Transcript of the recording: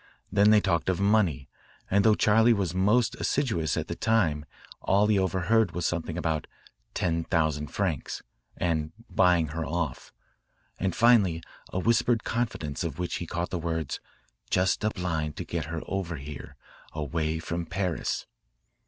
Then they talked of money, and though Charley was most assiduous at the time all he overheard was something about 'ten thousand francs' and 'buying her off,' and finally a whispered confidence of which he caught the words, 'just a blind to get her over here, away from Paris.'